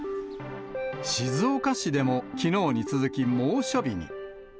静岡市でもきのうに続き猛暑日に。